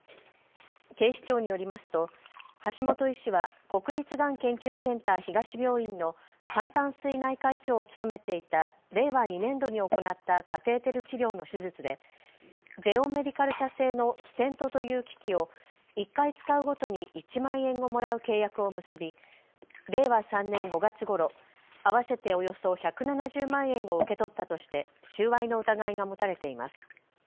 警視庁によりますと橋本医師は国立がん研究センター東病院の肝胆膵内科医長を務めていた令和２年度に行ったカテーテル治療の手術でゼオンメディカル社製のステントという機器を１回使うごとに１万円をもらう契約を結び令和３年５月ごろ、合わせておよそ１７０万円を受け取ったとして収賄の疑いが持たれています。